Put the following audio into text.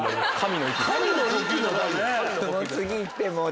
次行ってもう！